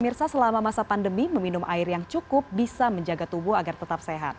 mirsa selama masa pandemi meminum air yang cukup bisa menjaga tubuh agar tetap sehat